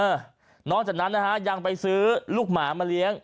นอกจากนั้นนะฮะยังไปซื้อลูกหมามาเลี้ยง